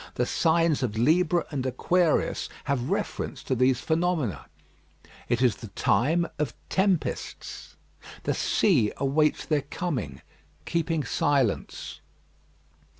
The signs of Libra and Aquarius have reference to these phenomena. It is the time of tempests. The sea awaits their coming, keeping silence.